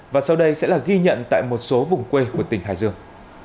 và sau đây sẽ là ghi nhận tại một số vùng quê của tỉnh hải dương